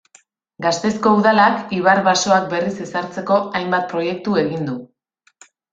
Gasteizko Udalak ibar basoak berriz ezartzeko hainbat proiektu egin du.